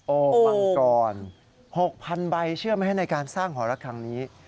โอกวังกรหกพันใบเชื่อมให้ในการสร้างหอระคางนี้